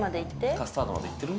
カスタードまでいってる？